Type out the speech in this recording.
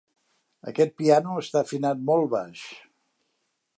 Aquest piano està afinat molt baix.